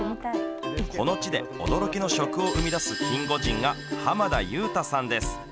この地で、驚きの食を生み出すキンゴジンが、濱田祐太さんです。